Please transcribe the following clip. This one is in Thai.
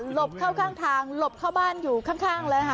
หลบเข้าข้างทางหลบเข้าบ้านอยู่ข้าง